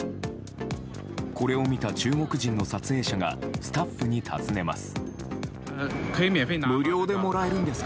これを見た中国人の撮影者がスタッフに尋ねます。